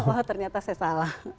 oh ternyata saya salah